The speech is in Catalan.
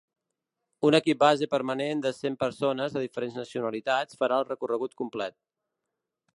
Un equip base permanent de cent persones de diferents nacionalitats farà el recorregut complet.